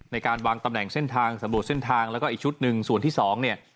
ในการวางตำแหน่งเส้นทางสำรวจเส้นทางแล้วก็อีกชุดหนึ่งส่วนที่สองเนี่ย